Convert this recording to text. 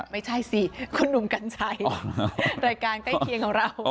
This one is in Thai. ไม่ใช่สิคุณหนุ่มกัญชัยรายการใกล้เคียงของเรา